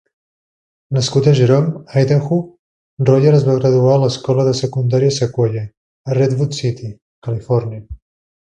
Nascut a Jerome, Idaho, Royer es va graduar a l'escola de secundària Sequoia, a Redwood City, Califòrnia.